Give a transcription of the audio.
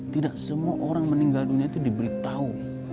tidak semua orang meninggal dunia itu diberitahu